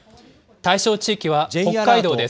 対象地域は北海道です。